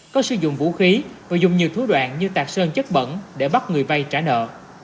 có sử dụng vũ khí và dùng nhiều thú đoạn như tạc sơn chất bẩn để bắt người vay trả nợ